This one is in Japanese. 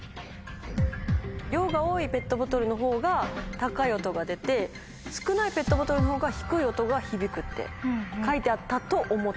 量が多いペットボトルのほうが高い音が出て少ないペットボトルのほうが低い音が響くって書いてあったと思う。